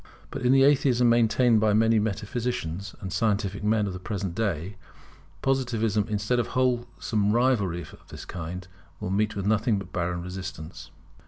But in the Atheism maintained by many metaphysicians and scientific men of the present day, Positivism, instead of wholesome rivalry of this kind, will meet with nothing but barren resistance.